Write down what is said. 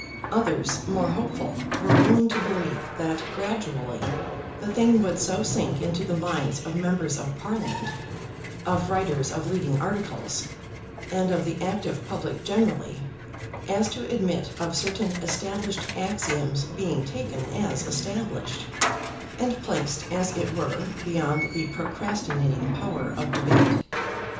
Others, more hopeful, were willing to believe that gradually the thing would so sink into the minds of members of Parliament, of writers of leading articles, and of the active public generally, as to admit of certain established axioms being taken as established, and placed, as it were, beyond the procrastinating power of debate.